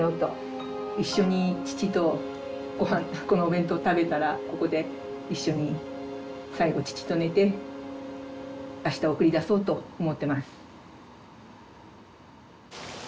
一緒に父と御飯このお弁当食べたらここで一緒に最後父と寝てあした送り出そうと思ってます。